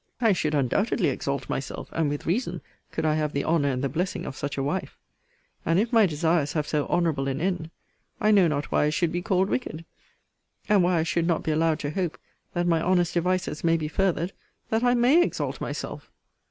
I should undoubtedly exalt myself, and with reason, could I have the honour and the blessing of such a wife. And if my desires have so honourable an end, I know not why I should be called wicked, and why I should not be allowed to hope, that my honest devices may be furthered, that I MAY exalt myself.